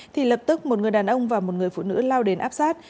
thì lập tức một người đàn ông và một người phụ nữ lao đến áp sát